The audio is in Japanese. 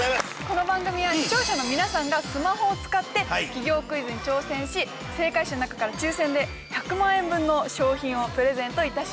この番組は視聴者の皆さんがスマホを使って企業クイズに挑戦し正解者の中から抽選で１００万円分の賞品をプレゼントいたします。